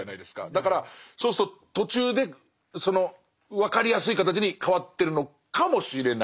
だからそうすると途中でその分かりやすい形に変わってるのかもしれないですね。